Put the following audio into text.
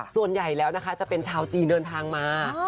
ส่วนใหญ่แล้วนะคะจะเป็นชาวจีนเดินทางมา